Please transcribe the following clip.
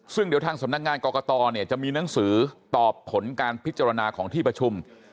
ซึ่งเดี๋ยวทางสำนักงานกรกตจะมีหนังสือตอบผลการพิจารณาของที่ประชุม